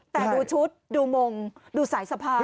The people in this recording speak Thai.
แต่ดูชุดดูมงดูสายสะพาน